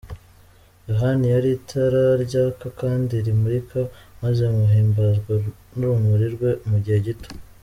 Yohani yari itara ryaka kandi rimurika, maze muhimbazwa n’urumuri rwe mu gihe gito.